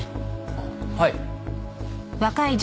あっはい。